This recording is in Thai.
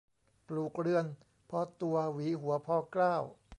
ปลูกเรือนพอตัว หวีหัวพอเกล้า